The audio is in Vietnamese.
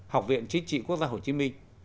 học viện chính trị quốc gia hồ chí minh